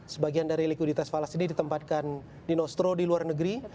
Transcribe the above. sebagian dari likuiditas falas ini ditempatkan di nostro di luar negeri